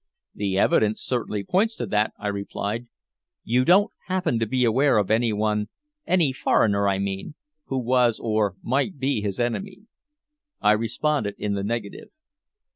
"The evidence certainly points to that," I replied. "You don't happen to be aware of anyone any foreigner, I mean who was, or might be his enemy?" I responded in the negative.